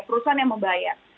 perusahaan yang membayar